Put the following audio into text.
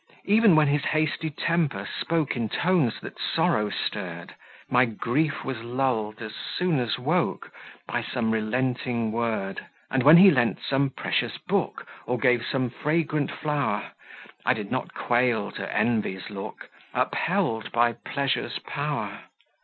Even when his hasty temper spoke In tones that sorrow stirred, My grief was lulled as soon as woke By some relenting word. And when he lent some precious book, Or gave some fragrant flower, I did not quail to Envy's look, Upheld by Pleasure's power.